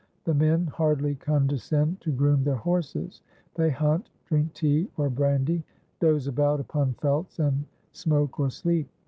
The men hardly condescend to groom their horses; they hunt, drink tea or brandy, doze about upon felts, and smoke or sleep.